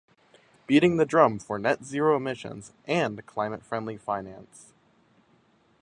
beating the drum for net-zero emissions and climate friendly finance.